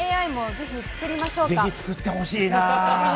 ぜひ作ってほしいな。